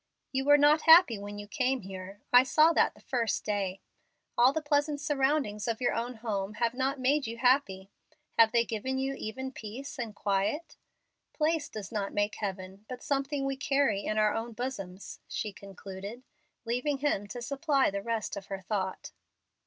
You were not happy when you came here. I saw that the first day. All the pleasant surroundings of your own home have not made you happy. Have they given you even peace and quiet? Place does not make heaven, but something we carry in our own bosoms," she concluded, leaving him to supply the rest of her thought.